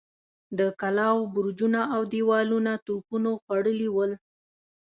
د کلاوو برجونه اودېوالونه توپونو خوړلي ول.